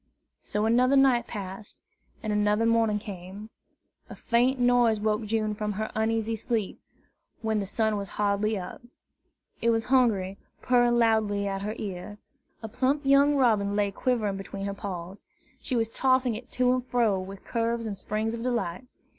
So another night passed, and another morning came. A faint noise woke June from her uneasy sleep, when the sun was hardly up. It was Hungry, purring loudly at her ear. A plump young robin lay quivering between her paws. She was tossing it to and fro with curves and springs of delight.